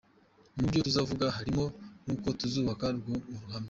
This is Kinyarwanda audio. Mu vyo tuzovuga harimwo nuko tuzubaka rwa ruhome!".